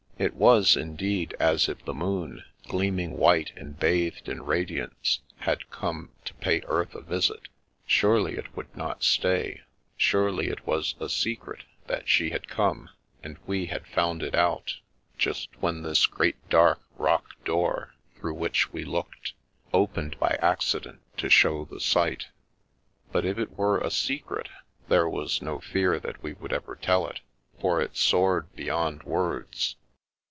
It was, indeed, as if the moon, gleaming white and bathed in radiance, had come to pay Earth a visit. Surely it would not stay; surely it was a secret that she had come, and we had found it out, just when this great dark rock door through which we looked, opened by accident to show the sight. But if it were a secret, there was no fear that we would ever tell it, for it soared beyond words.